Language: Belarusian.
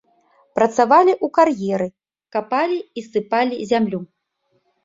Працавалі ў кар'еры, капалі і ссыпалі зямлю.